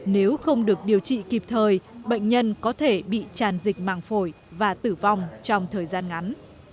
nếu không được điều trị kịp thời bệnh nhân có thể bị tràn dịch màng phổi và tử vong trong thời gian ngắn